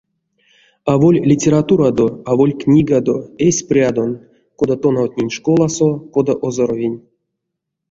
Аволь литературадо, аволь книгадо — эсь прядон: кода тонавтнинь школасо, кода озоровинь.